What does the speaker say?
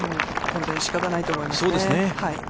これで仕方ないと思いますね。